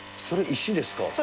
それ石ですか。